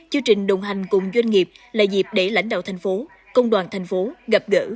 chương trình đồng hành cùng doanh nghiệp là dịp để lãnh đạo thành phố công đoàn thành phố gặp gỡ